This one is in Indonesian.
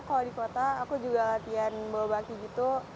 kalau di kota aku juga latihan bawa baki gitu